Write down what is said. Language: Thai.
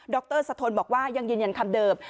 รสะทนบอกว่ายังยืนยันคำเดิม